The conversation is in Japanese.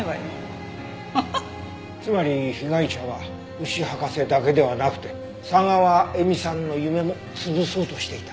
つまり被害者は牛博士だけではなくて佐川瑛美さんの夢も潰そうとしていた。